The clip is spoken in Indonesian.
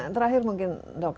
terakhir mungkin dok